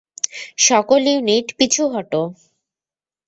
সকল ইউনিট, পিছু হটো!